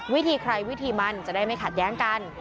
วิธีใครวิธีมันจะได้ไม่ขัดแย้งกัน